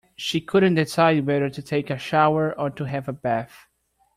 She couldn't decide whether to take a shower or to have a bath.